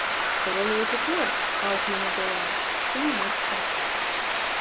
Par olūtu kuorts, aukleņa golā. Suņa aste.